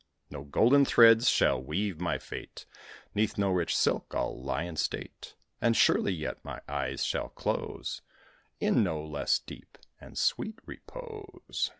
No golden threads shall weave my fate; 'Neath no rich silk I'll lie in state; And surely yet my eyes shall close In no less deep and sweet repose.